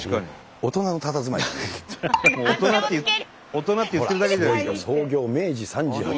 大人って言ってるだけじゃないですか。